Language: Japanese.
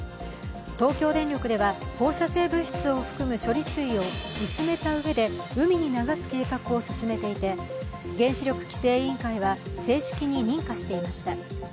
東京電力では、放射性物質を含む処理水を薄めたうえで海に流す計画を進めていて、原子力規制委員会は正式に認可していました。